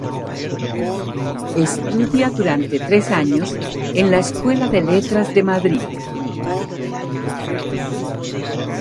Estudia durante tres años en la Escuela de Letras de Madrid.